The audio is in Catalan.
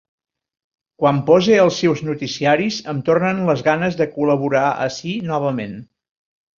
Quan pose els seus noticiaris em tornen les ganes de col·laborar ací novament.